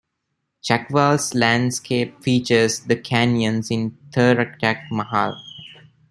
Chakwal's landscape features the canyons in Thirchak-Mahal.